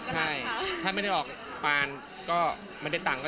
เมื่อกี๊เจอร้านก็คุยกันปกติ